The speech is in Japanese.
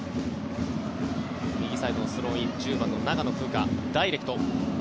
右サイドのスローイン１０番の長野風花ダイレクト。